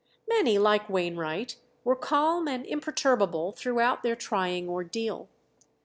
Many, like Wainwright, were calm and imperturbable throughout their trying ordeal.